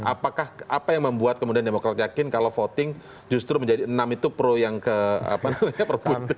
apakah apa yang membuat kemudian demokrat yakin kalau voting justru menjadi enam itu pro yang ke apa namanya